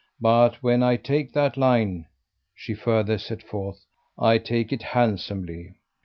But when I take that line," she further set forth, "I take it handsomely.